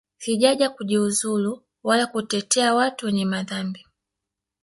Sijaja kujiuzulu wala kutetea watu wenye madhambi